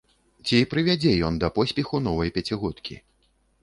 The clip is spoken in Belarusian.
Ці прывядзе ён да поспеху новай пяцігодкі?